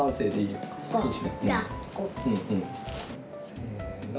せの。